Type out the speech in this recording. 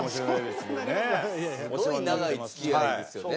すごい長い付き合いですよね。